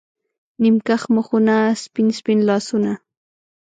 نیم کښ مخونه، سپین، سپین لاسونه